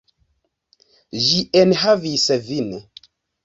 Ĝi enhavis vin.